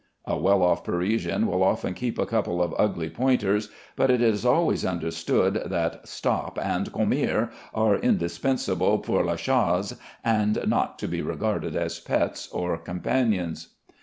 A well off Parisian will often keep a couple of ugly pointers, but it is always understood that "Stop" and "Komeer" are indispensable "pour la chasse," and not to be regarded as pets or companions.